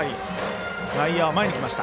内野は前に来ました。